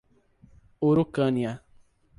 Urucânia